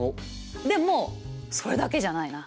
でもそれだけじゃないな。